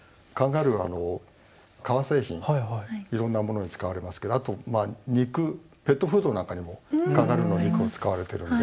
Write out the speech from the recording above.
いろんなものに使われますけどあとまあ肉ペットフードなんかにもカンガルーの肉を使われてるんで。